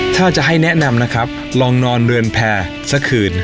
ถ้าจะให้แนะนำนะครับลองนอนเรือนแพร่สักคืน